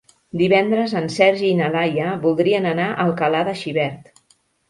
Divendres en Sergi i na Laia voldrien anar a Alcalà de Xivert.